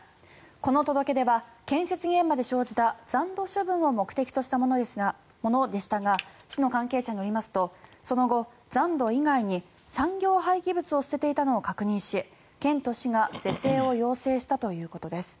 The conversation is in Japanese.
この届け出は建設現場で生じた残土処分を目的としたものでしたが市の関係者によりますとその後、残土以外に産業廃棄物を捨てていたのを確認し県と市が是正を要請したということです。